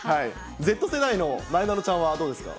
Ｚ世代のなえなのちゃんはどうですか？